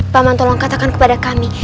pak man tolong katakan kepada kami